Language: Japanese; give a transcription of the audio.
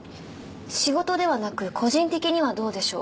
仕事ではなく個人的にはどうでしょう？